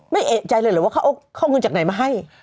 ไม่แต่ใจจากไหนมาให้